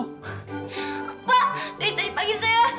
pak dari tadi pagi saya